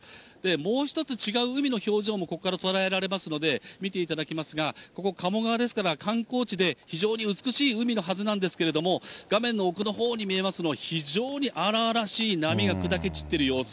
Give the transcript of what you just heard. もう一つ違う海の表情もここから捉えられますので、見ていただきますが、ここ、鴨川ですから、観光地で、非常に美しい海のはずなんですけれども、画面の奥のほうに見えます非常に荒々しい波が砕け散ってる様子。